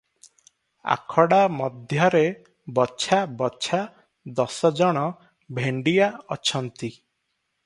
ଆଖଡା ମଧ୍ୟରେ ବଛା ବଛା ଦଶଜଣ ଭେଣ୍ଡିଆ ଅଛନ୍ତି ।